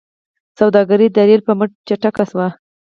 سوداګري د ریل په مټ چټکه شوه.